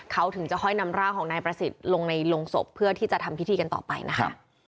เขาถึงจะค่อยนำร่างของนายประสิทธิ์ลงในโรงศพเพื่อที่จะทำพิธีกันต่อไปนะคะ